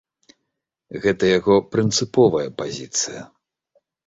Гэта яго прынцыповая пазіцыя!